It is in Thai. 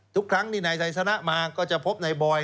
ทุกครั้งที่นายไซสนะมาก็จะพบนายบอย